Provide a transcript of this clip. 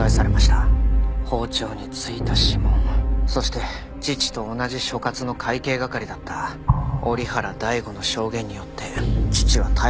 包丁に付いた指紋そして父と同じ所轄の会計係だった折原大吾の証言によって父は逮捕されました。